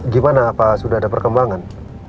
gimana pak sudah ada perkembangan